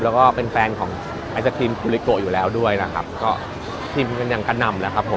แล้วก็เป็นแฟนของไอศครีมโอลิโกอยู่แล้วด้วยนะครับก็ทีมกันอย่างกระหน่ำแล้วครับผม